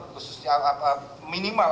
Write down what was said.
khususnya apa minimal